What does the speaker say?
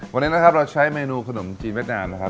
วันนี้นะครับเราใช้เมนูขนมจีนเวียดนามนะครับ